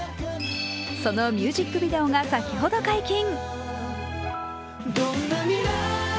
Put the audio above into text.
そのミュージックビデオが先ほど解禁。